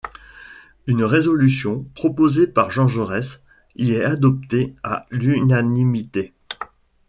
Une résolution, proposée par Jean Jaurès, y est adopté à l'unanimité.